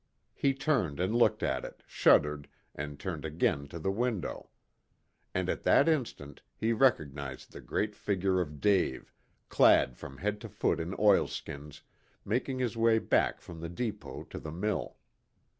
He turned and looked at it, shuddered, and turned again to the window. And at that instant he recognized the great figure of Dave, clad from head to foot in oilskins, making his way back from the depot to the mill.